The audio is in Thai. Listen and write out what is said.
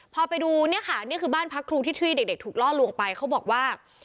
พอไปดูเนี่ยค่ะนี่คือบ้านพักครูที่เด็กถูกล่อลวงไปเขาบอกว่า